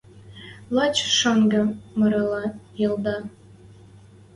Лач шонгы марыла ӹледӓ.